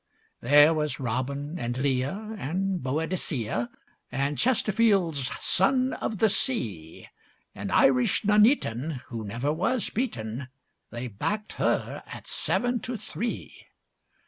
There was Robin and Leah and Boadicea, And Chesterfield's Son of the Sea; And Irish Nuneaton, who never was beaten, They backed her at seven to three.